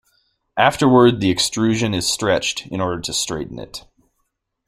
Afterward the extrusion is stretched in order to straighten it.